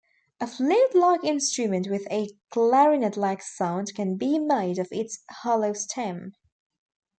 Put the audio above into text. A flute-like instrument with a clarinet-like sound can be made of its hollow stem.